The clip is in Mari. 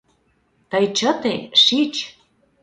Тый чыте, шич.